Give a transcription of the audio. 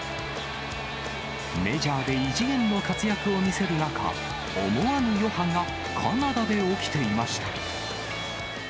メジャーで異次元の活躍を見せる中、思わぬ余波がカナダで起きていました。